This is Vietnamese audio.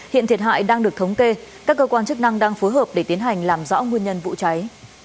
hiện thiệt hại đang được thống kê các cơ quan chức năng đang phối hợp để tiến hành làm rõ nguyên nhân vụ cháy